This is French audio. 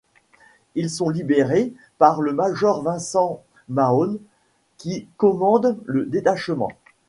Ils sont libérés par le major Vincent Maone qui commande le détachement.